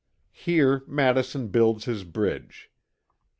Here Madison builds his bridge.